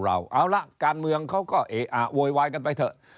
เอาละการเมืองเขาก็เอะอะโวยวายกันไปเถอะ